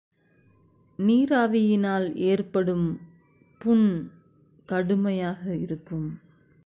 நீராவியால் ஏற்படும் புண் கடுமையாக இருக்கும்.